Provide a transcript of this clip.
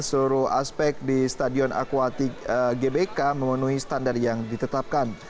seluruh aspek di stadion aquatik gbk memenuhi standar yang ditetapkan